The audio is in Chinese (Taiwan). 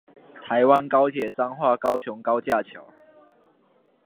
台灣高鐵彰化高雄高架橋